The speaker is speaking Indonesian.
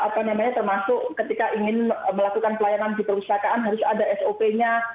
kemudian termasuk ketika ingin melakukan pelayanan di perusahaan harus ada sop nya